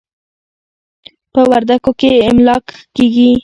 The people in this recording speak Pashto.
په وردکو کې املاک ښه کېږي.